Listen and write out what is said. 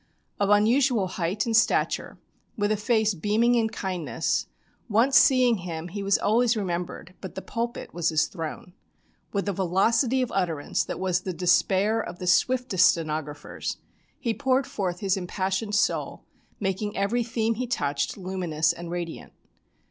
Of unusual height and stature, with a face beaming in kindness, once seeing him he was always remembered, but the pulpit was his throne. With a velocity of utterance that was the despair of the swiftest stenographers, he poured forth his impassioned soul, making every theme he touched luminous and radiant.